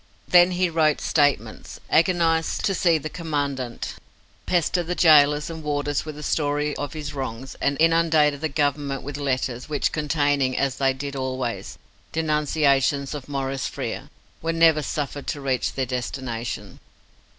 Then he wrote "Statements", agonized to see the Commandant, pestered the gaolers and warders with the story of his wrongs, and inundated the Government with letters, which, containing, as they did always, denunciations of Maurice Frere, were never suffered to reach their destination.